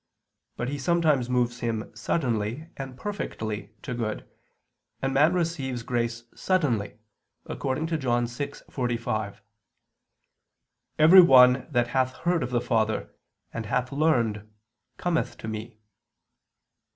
But He sometimes moves him suddenly and perfectly to good, and man receives grace suddenly, according to John 6:45: "Every one that hath heard of the Father, and hath learned, cometh to Me."